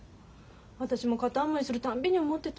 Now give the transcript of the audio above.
私も片思いする度に思ってた。